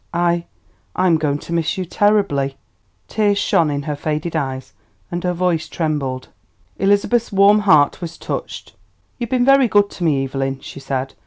"I I am going to miss you terribly." Tears shone in her faded eyes and her voice trembled. Elizabeth's warm heart was touched. "You've been very good to me, Evelyn," she said.